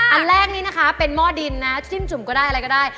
อันแรกนี้นะคะเป็นหม้อดินนะจิ้มจุ่มก็ได้อะไรก็ได้